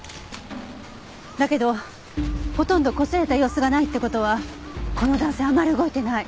だけどほとんどこすれた様子がないって事はこの男性あまり動いてない。